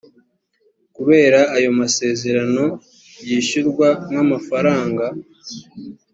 kubera ayo masezerano yishyurwa nk amafaranga